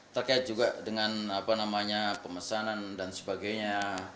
terkait juga dengan pemesanan dan sebagainya